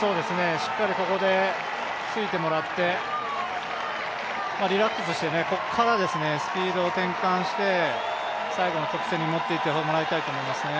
しっかりここでついてもらって、リラックスして、スピードを転換して、最後の直線に持っていってもらいたいですね。